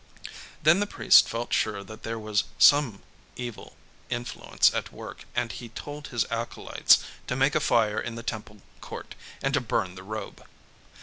Then the priest felt sure that there was some evil influence at work; and he told his acolytes to make a fire in the temple court, and to burn the robe.